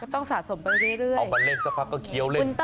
ต้องสาสมไปเรื่อยเคี๊ยวล่ะ